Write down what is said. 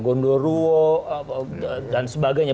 gondola ruwo dan sebagainya